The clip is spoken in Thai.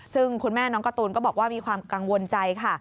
ซึ่งคุณแม่น้องการ์ตูนก็บอกว่ามีความกังวลใจค่ะ